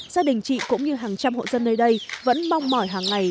gia đình chị cũng như hàng trăm hộ dân nơi đây vẫn mong mỏi hàng ngày